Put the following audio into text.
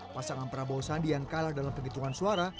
pasangan prabowo sandian kalah dalam pengetuan suara